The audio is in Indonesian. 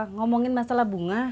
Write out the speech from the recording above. ngomongin masalah bunga